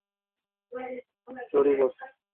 Sorry, বস।